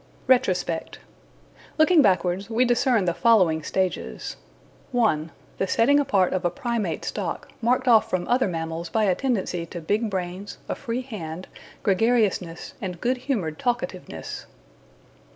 Retrospect Looking backwards, we discern the following stages: (1) The setting apart of a Primate stock, marked off from other mammals by a tendency to big brains, a free hand, gregariousness, and good humoured talkativeness.